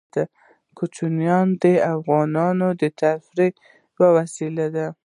کوچیان د افغانانو د تفریح یوه وسیله ده.